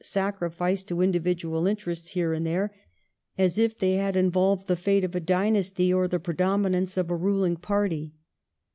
sacrifice to individual interests, here and there, as if they had involved the fate of a dynasty or the predominance of a ruling party.